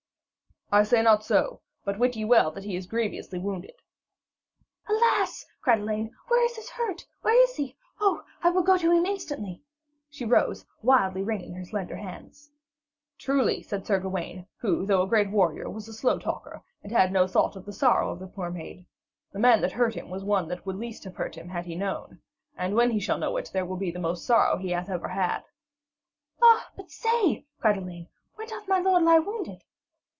'I say not so, but wit ye well that he is grievously wounded.' 'Alas!' cried Elaine, 'what is his hurt? Where is he? Oh, I will go to him instantly.' She rose, wildly ringing her slender hands. 'Truly,' said Sir Gawaine, who, though a great warrior, was a slow talker, and had no thought of the sorrow of the poor maid, 'the man that hurt him was one that would least have hurt him had he known. And when he shall know it, that will be the most sorrow that he hath ever had.' 'Ah, but say,' cried Elaine, 'where doth my lord lie wounded?'